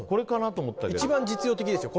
一番、実用的ですよ